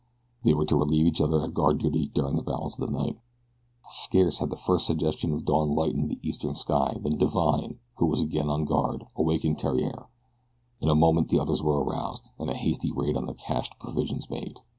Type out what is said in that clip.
They were to relieve each other at guard duty during the balance of the night. Scarce had the first suggestion of dawn lightened the eastern sky than Divine, who was again on guard, awakened Theriere. In a moment the others were aroused, and a hasty raid on the cached provisions made.